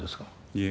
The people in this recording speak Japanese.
いえ。